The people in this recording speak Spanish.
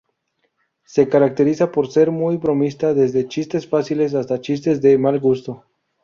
Se caracteriza por ser muy bromista, desde chistes fáciles hasta chistes de mal gusto.